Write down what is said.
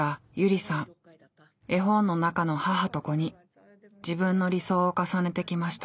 絵本の中の母と子に自分の理想を重ねてきました。